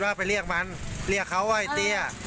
แล้วไปเรียกมันเรียกเขาว่าไอ้เตี้ย